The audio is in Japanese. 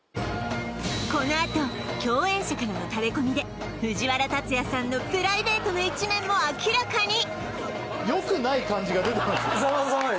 このあと共演者からのタレコミで藤原竜也さんのプライベートな一面も明らかに！